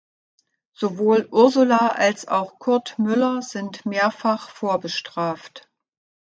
Sowohl Ursula als auch Curt Müller sind mehrfach vorbestraft.